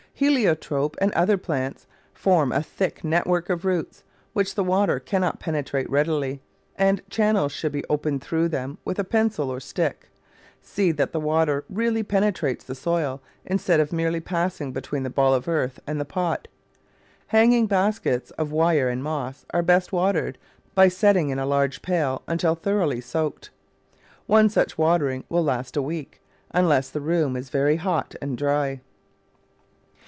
Heliotrope, and some other plants, form a thick network of roots, which the water cannot penetrate readily, and channels should be opened through them with a pencil or stick. See that the water really penetrates the soil instead of merely pass ing between the ball of earth and the pot. Hanging Digitized by Google Digitized by Google Digitized by Google Twenty] ffottgesplantg »" baskets of wire and moss are best watered by setting in a large pail until thoroughly soaked. One such watering will last a week, unless the room is very hot and dry.